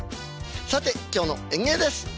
さて今日の演芸です。